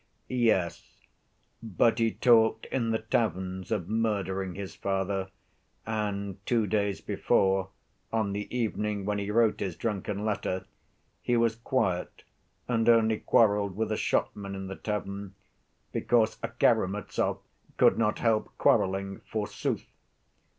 "Yes, but he talked in the taverns of murdering his father, and two days before, on the evening when he wrote his drunken letter, he was quiet and only quarreled with a shopman in the tavern, because a Karamazov could not help quarreling, forsooth!